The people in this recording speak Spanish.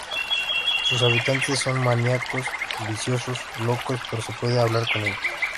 Sus habitantes son maníacos, viciosos, locos, pero se puede hablar con ellos.